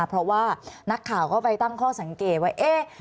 เพราะว่านักข่าวก็ไปตั้งข้อสังเกตว่าเอ๊ะ